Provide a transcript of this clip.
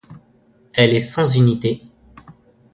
Elle est sans unité.